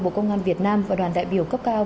bộ công an việt nam và đoàn đại biểu cấp cao